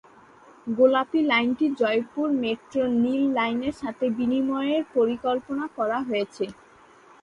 গোলাপী লাইনটি জয়পুর মেট্রোর নীল লাইনের সাথে বিনিময়ের পরিকল্পনা করা হয়েছে।